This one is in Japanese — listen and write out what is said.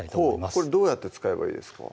これどうやって使えばいいですか？